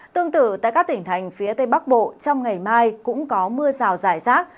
tương tự tại các tỉnh thành phía tây bắc bộ trong ngày mai cũng có mưa rào rải rác